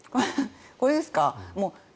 これですか？